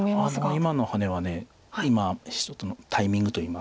今のハネは今一つのタイミングといいますか。